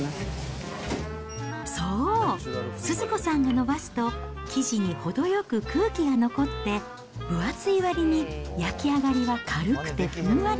そう、スズ子さんが伸ばすと、生地に程よく空気が残って、分厚いわりに焼き上がりは軽くてふんわり。